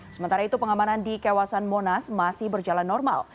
sementara itu pengamanan di kawasan monas masih berjalan normal